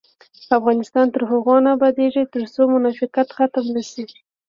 افغانستان تر هغو نه ابادیږي، ترڅو منافقت ختم نشي.